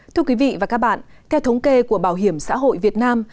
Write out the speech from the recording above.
thưa quý vị và các bạn theo thống kê của bảo hiểm xã hội việt nam